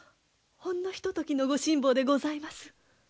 ほんのひとときのご辛抱でございます。